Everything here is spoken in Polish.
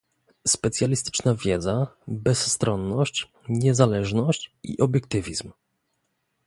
specjalistyczna wiedza, bezstronność, niezależność i obiektywizm